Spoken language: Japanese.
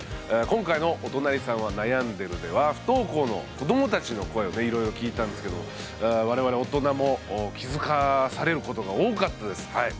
今回の「おとなりさんはなやんでる。」では不登校の子どもたちの声をいろいろ聴いたんですけど我々大人も気付かされることが多かったですはい。